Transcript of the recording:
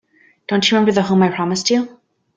Don't you remember the home I promised you?